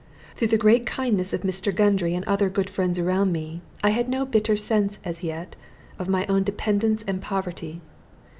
Through the great kindness of Mr. Gundry and other good friends around me, I had no bitter sense as yet of my own dependence and poverty.